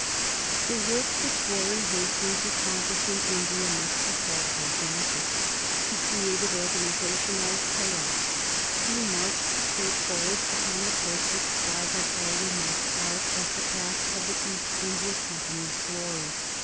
The work which Warren Hastings accomplished in India must be called gigantic. He created organization out of chaos; he marched straightforward upon the course which Clive had already marked out as the path of the East India Company's glory.